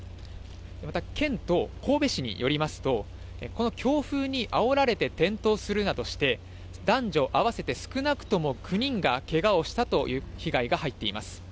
また、県と神戸市によりますと、この強風にあおられて転倒するなどして、男女合わせて少なくとも９人がけがをしたという被害が入っています。